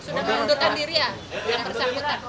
sudah mundurkan diri ya